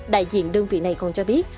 đại diện đơn vị này còn cho biết